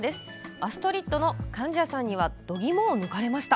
アストリッドの貫地谷さんにはどぎもを抜かれました。